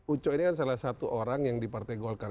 uco ini kan salah satu orang yang di partai golkar